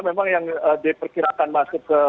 memang yang diperkirakan masuk ke